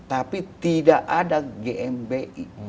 tapi tidak ada gmbi